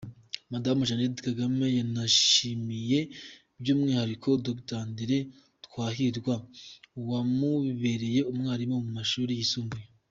Madamu Jeannette Kagame yanashimiye by’umwihariko Dr André Twahirwa wamubereye umwarimu mu mashuri yisumbuye.